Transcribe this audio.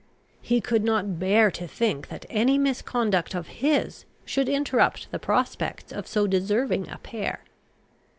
He could not bear to think that any misconduct of his should interrupt the prospects of so deserving a pair.